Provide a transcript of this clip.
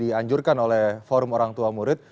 dianjurkan oleh forum orang tua murid